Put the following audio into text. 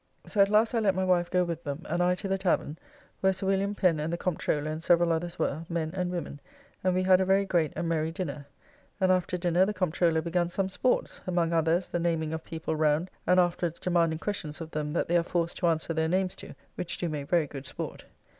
So at last I let my wife go with them, and I to the tavern, where Sir William Pen and the Comptroller and several others were, men and women; and we had a very great and merry dinner; and after dinner the Comptroller begun some sports, among others the naming of people round and afterwards demanding questions of them that they are forced to answer their names to, which do make very good sport.